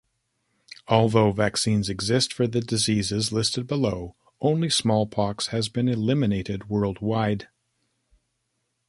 Although vaccines exist for the diseases listed below, only smallpox has been eliminated worldwide.